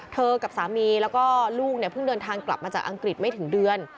เธอกับสามีและลูกเพิ่งเดินทางกลับมาจากอังกฤษไม่ถึงเดือน